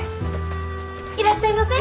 いらっしゃいませ。